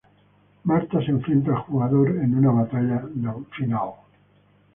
Martha se enfrenta al jugador en una batalla final.